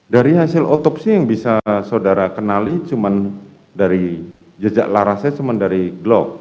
dari hasil otopsi yang bisa saudara kenali cuma dari jejak larasnya cuma dari glock